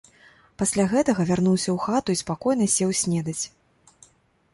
Пасля гэтага вярнуўся ў хату і спакойна сеў снедаць.